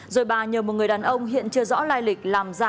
rồi bà nhờ một người đàn ông hiện chưa rõ lai lịch